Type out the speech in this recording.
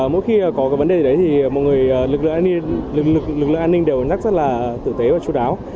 mỗi khi có vấn đề gì đấy thì lực lượng an ninh đều nhắc rất là tử tế và chú đáo